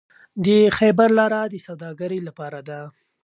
د خیبر لاره د سوداګرۍ لپاره ده.